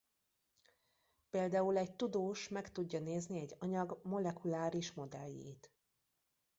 Például egy tudós meg tudja nézni egy anyag molekuláris modelljét.